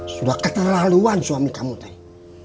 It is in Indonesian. sudah keterlaluan suami kamu tadi